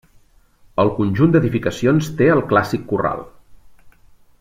El conjunt d'edificacions té el clàssic corral.